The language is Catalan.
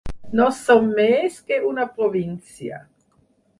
No som més que una província.